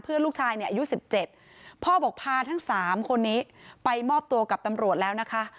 ลูกชายเนี่ยอายุ๑๗พ่อบอกพาทั้ง๓คนนี้ไปมอบตัวกับตำรวจแล้วนะคะ